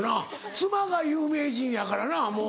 妻が有名人やからなもう。